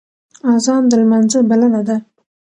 اذان د لمانځه بلنه ده